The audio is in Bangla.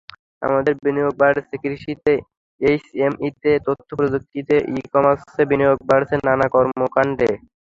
আমাদের বিনিয়োগ বাড়ছে কৃষিতে, এসএমইতে, তথ্যপ্রযুক্তিতে, ই-কমার্সে, বিনিয়োগ বাড়ছে নানা কর্মকাণ্ডে।